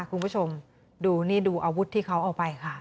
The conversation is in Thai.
คุณผู้ชมดูนี่ดูอาวุธที่เขาเอาไปค่ะ